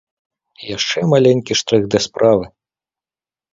І яшчэ маленькі штрых да справы.